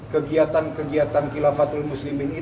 kegiatan kegiatan kilafatul muslimin